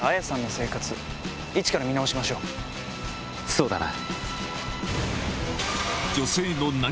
そうだな。